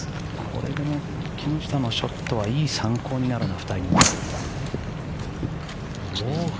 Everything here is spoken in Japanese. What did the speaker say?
これで木下のショットはいい参考になるな。